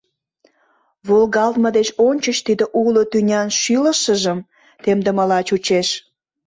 Волгалтме деч ончыч тиде уло тӱнян шӱлышыжым темдымыла чучеш.